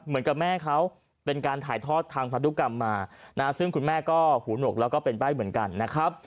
เหมือนกับแม่เขาเป็นการถ่ายทอดทางพันธุกรรมมานะซึ่งคุณแม่ก็หูหนกแล้วก็เป็นใบ้เหมือนกันนะครับ